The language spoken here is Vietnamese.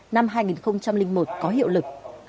năm hai nghìn một có hiệu lực